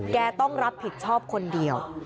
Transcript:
แกต้องรับผิดชอบคนเดียว